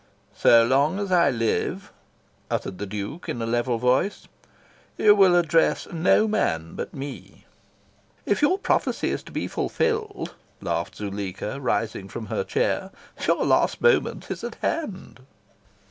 "So long as I live," uttered the Duke, in a level voice, "you will address no man but me." "If your prophecy is to be fulfilled," laughed Zuleika, rising from her chair, "your last moment is at hand."